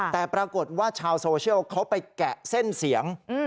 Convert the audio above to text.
แต่ปรากฏว่าชาวโซเชียลเขาไปแกะเส้นเสียง